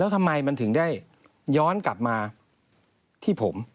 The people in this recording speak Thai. ทำไมมันถึงได้ย้อนกลับมาที่ผม